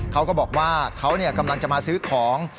เขาก็บอกว่าเขากำลังจะมาซื้อของ